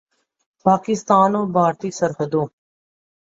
پاکستان اور بھارتی سرحدوں